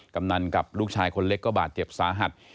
กำนันกับลูกชายคนเล็กก็บาดเจ็บสาหัส